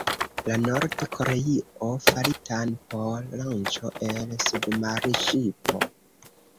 La Nord-Koreio faritan por lanĉo el submarŝipo.